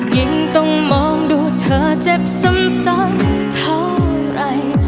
ยิ่งต้องมองดูเธอเจ็บซ้ำเท่าไหร่